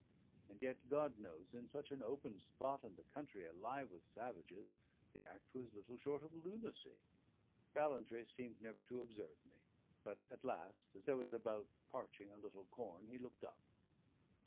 And yet God knows, in such an open spot, and the country alive with savages, the act was little short of lunacy. Ballantrae seemed never to observe me; but at last, as I was about parching a little corn, he looked up.